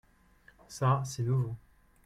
Ca, c'est nouveau.